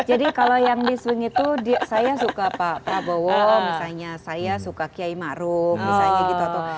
jadi kalau yang di swing itu saya suka pak prabowo misalnya saya suka kiai marung misalnya gitu